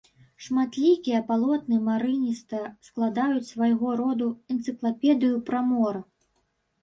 Шматлікія палотны марыніста складаюць свайго роду энцыклапедыю пра мора.